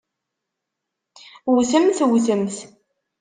Wwtemt! Wwtemt!